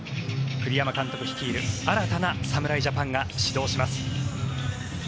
栗山監督率いる新たな侍ジャパンが始動します。